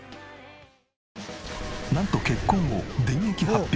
なんと結婚を電撃発表。